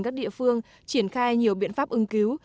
các địa phương triển khai nhiều biện pháp ứng cứu